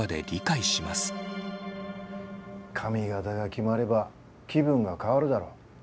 髪形が決まれば気分が変わるだろ。